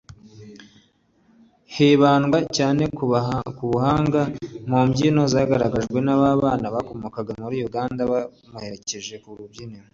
hibandwa cyane ku buhanga mu mbyino zagaragajwe n’aba bana bakomoka muri Uganda bamuherekeje ku rubyiniro